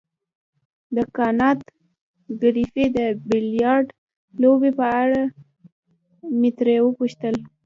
د کانت ګریفي د بیلیارډ لوبې په اړه مې ترې وپوښتل.